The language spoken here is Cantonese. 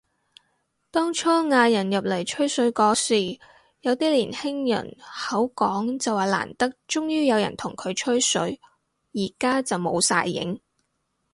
當初嗌人入嚟吹水嗰時，有啲年輕人口講就話難得終於有人同佢吹水，而家就冇晒影